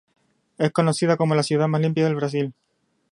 Es conocida como "la ciudad más limpia del Brasil".